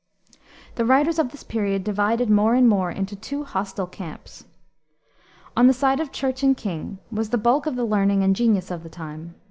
The writers of this period divided more and more into two hostile camps. On the side of Church and king was the bulk of the learning and genius of the time.